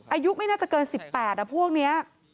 อายุไม่น่าจะเกิน๑๘พวกนี้